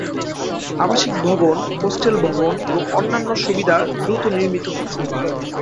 আবাসিক ভবন, হোস্টেল ভবন এবং অন্যান্য সুবিধা দ্রুত নির্মিত হচ্ছে।